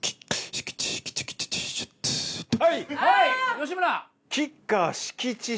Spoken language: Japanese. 吉村。